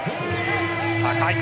高い。